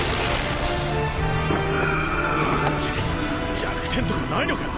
弱点とかないのか？